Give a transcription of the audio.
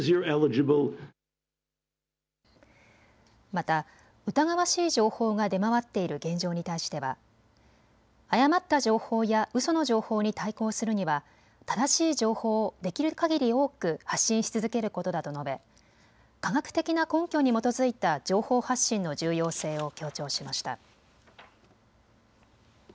また疑わしい情報が出回っている現状に対しては、誤った情報や、うその情報に対抗するには正しい情報をできるかぎり多く発信し続けることだと述べ科学的な根拠に基づいた情報発信の重要性を強調しました。